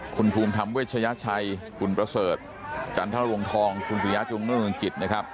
คุณภูมิธรรมเวชยชัยคุณประเสริฐการท่ารวงทองคุณศิลป์ยังงงงกิจนะครับ